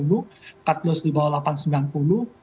cut loss di bawah rp delapan ratus sembilan puluh